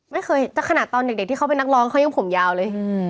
ไม่เคยจะขนาดตอนเด็กที่เขาเป็นนักร้องเขายังผมยาวเลย